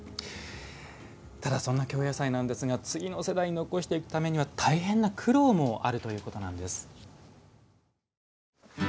ただそんな京野菜なんですが次の世代に残していくためには大変な苦労もあるということなんです。